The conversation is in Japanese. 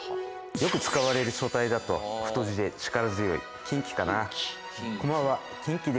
よく使われる書体だと太字で力強い錦旗かな。